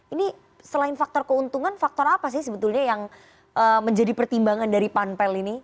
ini selain faktor keuntungan faktor apa sih sebetulnya yang menjadi pertimbangan dari panpel ini